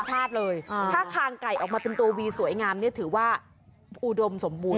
ชาติเลยถ้าคางไก่ออกมาเป็นตัววีสวยงามเนี่ยถือว่าอุดมสมบูรณ